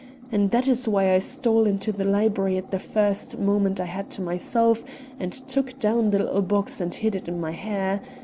And that is why I stole into the library at the first moment I had to myself and took down the little box and hid it in my hair.